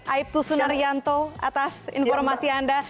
aib tussunaryanto atas informasi anda